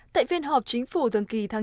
tại phiên họp chính phủ thường kỳ tháng chín